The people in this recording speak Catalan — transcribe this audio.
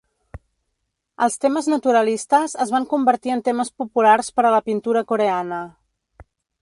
Els temes naturalistes es van convertir en temes populars per a la pintura coreana.